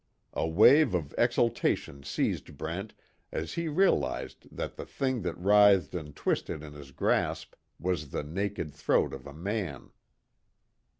A wave of exultation seized Brent as he realized that the thing that writhed and twisted in his grasp was the naked throat of a man.